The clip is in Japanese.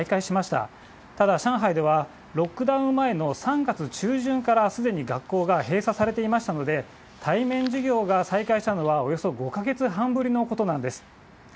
ただ、上海ではロックダウン前の３月中旬からすでに学校が閉鎖されていましたので、対面授業が再開したのは、およそ５か月半ぶりのことなんです。